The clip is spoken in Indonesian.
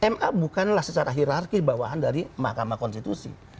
ma bukanlah secara hirarki bawahan dari mahkamah konstitusi